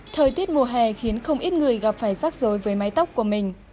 thời tiết mùa hè khiến không ít người gặp phải rắc rối với mái tóc của mình